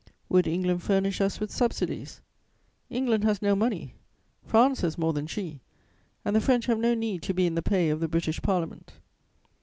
"Would England furnish us with subsidies? "England has no money; France has more than she, and the French have no need to be in the pay of the British Parliament.